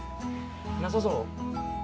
なさそう？